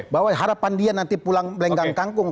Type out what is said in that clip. bahwa harapan dia nanti pulang melenggang kangkung